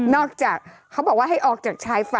นอกจากเขาบอกว่าให้ออกจากชายความสงสาร